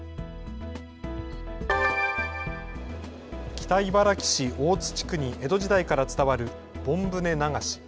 北茨城市大津地区に江戸時代から伝わる盆船流し。